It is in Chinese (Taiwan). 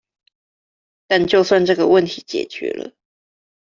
但就算這個問題解決了